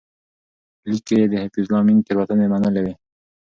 لیک کې یې د حفیظالله امین تېروتنې منلې وې.